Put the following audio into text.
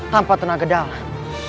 tanpa tenaga dalam